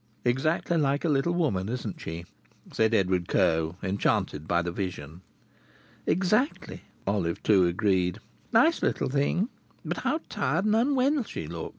"Exactly like a little woman, isn't she?" said Edward Coe, enchanted by the vision. "Exactly!" Olive Two agreed. "Nice little thing! But how tired and unwell she looks!